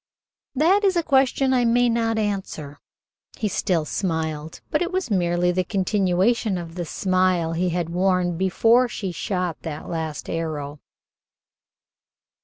"That is a question I may not answer." He still smiled, but it was merely the continuation of the smile he had worn before she shot that last arrow.